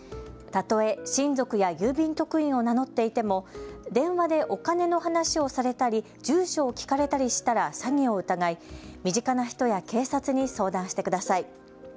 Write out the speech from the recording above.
例え親族や郵便局員を名乗っていても電話でお金の話をされたり住所を聞かれたりしたら詐欺を疑い身近な人や警察に相談してください。